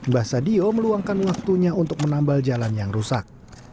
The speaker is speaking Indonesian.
mbah sadio meluangkan waktunya untuk menambal jalan yang rusak